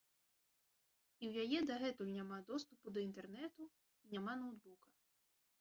І ў яе дагэтуль няма доступу да інтэрнэту і няма ноўтбука.